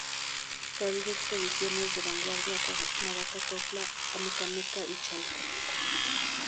Realizó expediciones de vanguardia a Cuernavaca, Cuautla, Amecameca y Chalco.